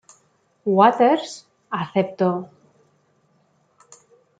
Waters aceptó.